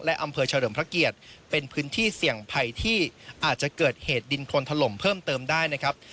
และอำเภอเฉลิมพระเกียรติเป็นพื้นที่เสี่ยงภัยที่อาจจะเกิดเหตุดินคนถล่มเพิ่มเติมได้นะครับ